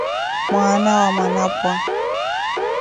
Mwaana na Mwanapwa